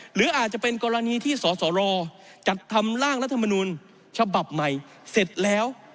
หรืออาจจะเป็นกรณีที่สสรจัดทำร่างรัฐมนุนฉบับใหม่เสร็จแล้ว